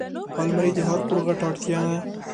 الماري د هر کور غټه اړتیا ده